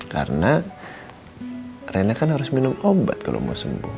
karena rena kan harus minum obat kalau mau sembuh